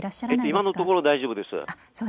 今のところ大丈夫です。